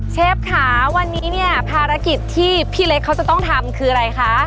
เชฟค่ะวันนี้เนี่ยภารกิจที่พี่เล็กเขาจะต้องทำคืออะไรคะ